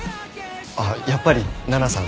あっやっぱり奈々さん